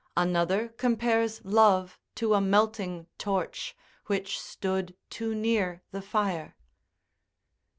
Another compares love to a melting torch, which stood too near the fire.